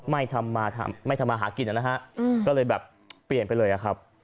ไม่ทำมาหากินนะฮะก็เลยแบบเปลี่ยนไปเลยอะครับ